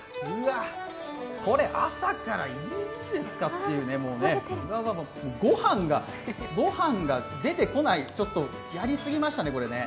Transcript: これ朝からいいんですかっていうね、ごはんが、ごはんが出てこないやりすぎましたね、これね。